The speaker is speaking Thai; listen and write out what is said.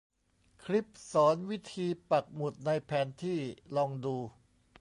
คลิปสอนวิธีปักหมุดในแผนที่ลองดู